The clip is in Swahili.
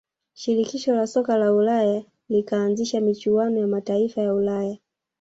shirikisho la soka la ulaya likaanzisha michuano ya mataifa ya ulaya